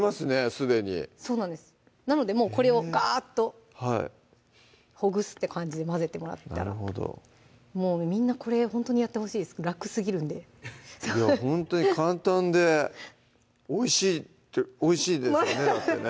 すでにそうなんですなのでもうこれをガーッとほぐす感じで混ぜてもらったらなるほどもうみんなこれほんとにやってほしい楽すぎるんでいやほんとに簡単でおいしいっておいしいですよねだってね